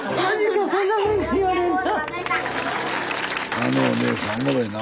あのお姉さんおもろいな。